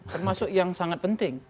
termasuk yang sangat penting